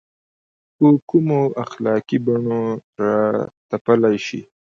په کومو اخلاقي بڼو راتپلی شي.